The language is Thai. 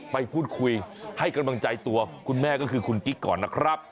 ไปพูดคุยให้กำลังใจตัวคุณแม่ก็คือคุณกิ๊กก่อนนะครับ